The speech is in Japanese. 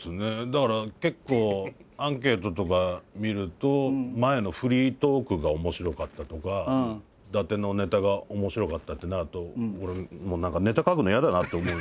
だから結構アンケートとか見ると「前のフリートークが面白かった」とか「伊達のネタが面白かった」ってなると何か。